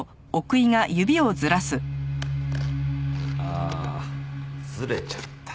ああずれちゃった。